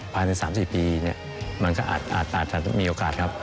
ผ่านถึง๓๐ปีนี่มันก็อาจจะมีโอกาสครับ